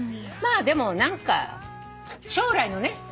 まあでも何か将来のね